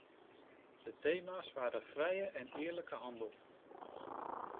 De thema’s waren vrije en eerlijke handel.